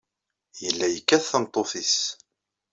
Yella yekkat tameṭṭut-nnes.